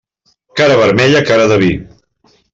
Cara vermella, cara de vi.